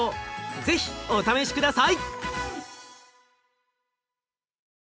是非お試し下さい！